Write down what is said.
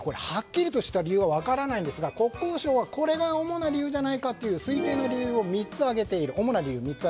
はっきりとした理由は分からないんですが国交省はこれが主な理由じゃないかという推定の主な理由を３つ挙げている。